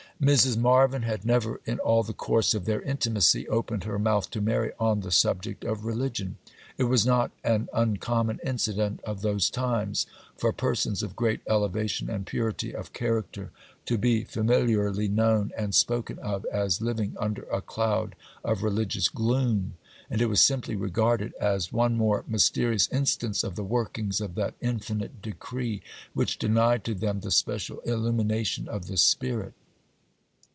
Mrs. Marvyn had never, in all the course of their intimacy, opened her mouth to Mary on the subject of religion. It was not an uncommon incident of those times for persons of great elevation and purity of character to be familiarly known and spoken of as living under a cloud of religious gloom; and it was simply regarded as one more mysterious instance of the workings of that infinite decree which denied to them the special illumination of the Spirit.